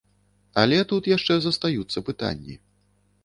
Але тут яшчэ застаюцца пытанні.